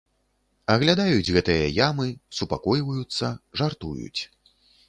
Аглядаюць гэтыя ямы, супакойваюцца, жартуюць.